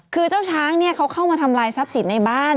คือเจ้าช้างเขาเข้ามาทำลายทรัพย์สินในบ้าน